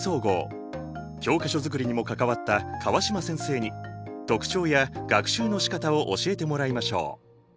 教科書作りにも関わった川島先生に特徴や学習のしかたを教えてもらいましょう。